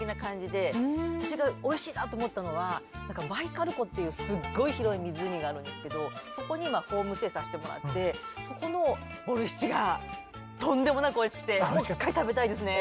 私がおいしいなと思ったのはバイカル湖っていうすっごい広い湖があるんですけどそこにホームステイさせてもらってそこのボルシチがとんでもなくおいしくてもう一回食べたいですね。